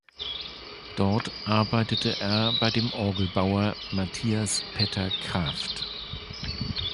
Dort arbeitete er bei dem Orgelbauer Mathias Petter Kraft.